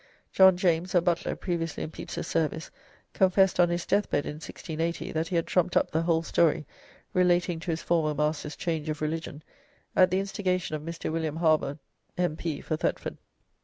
John James, a butler previously in Pepys's service, confessed on his deathbed in 1680 that he had trumped up the whole story relating to his former master's change of religion at the instigation of Mr. William Harbord, M.P. for Thetford.